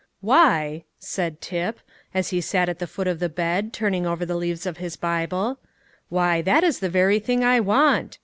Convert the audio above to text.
"Why," said Tip, as he sat on the foot of the bed, turning over the leaves of his Bible, "why, that is the very thing I want.